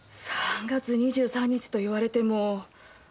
３月２３日と言われても。